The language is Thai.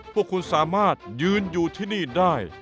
พวกคุณสามารถยืนอยู่ที่นี่ได้